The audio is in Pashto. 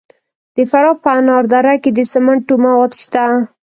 د فراه په انار دره کې د سمنټو مواد شته.